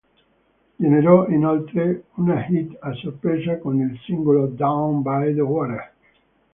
Generò inoltre una hit a sorpresa con il singolo "Down by the Water".